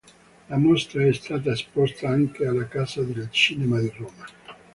La mostra è stata esposta anche alla Casa del Cinema di Roma.